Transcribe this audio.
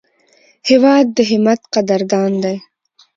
هېواد د همت قدردان دی.